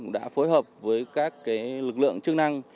đã phối hợp với các lực lượng chức năng